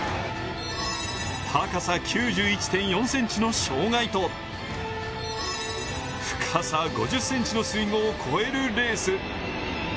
高さ９１．４ｃｍの障害と、深さ５０ｃｍの水濠を越えるレース。